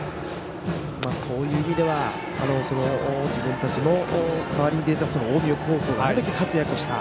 そういう意味では自分たちの代わりに出た近江高校があれだけ活躍した。